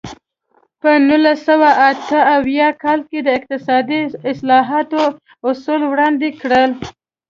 په نولس سوه اته اویا کال کې د اقتصادي اصلاحاتو اصول وړاندې کړل.